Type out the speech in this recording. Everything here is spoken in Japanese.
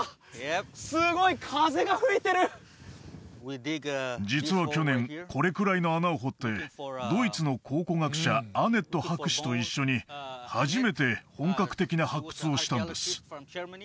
すごい風が吹いてる実は去年これくらいの穴を掘ってドイツの考古学者アネット博士と一緒に初めて本格的な発掘をしたんです